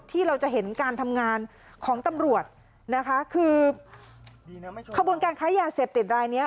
ที่เราจะเห็นการทำงานของตำรวจนะคะคือขบวนการค้ายาเสพติดรายเนี้ย